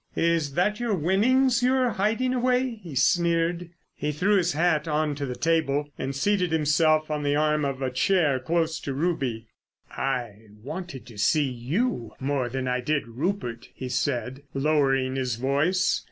"Is that your winnings you're hiding away?" he sneered. He threw his hat on to the table and seated himself on the arm of a chair close to Ruby. "I wanted to see you more than I did Rupert," he said, lowering his voice.